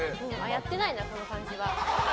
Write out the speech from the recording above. やってないな、この感じは。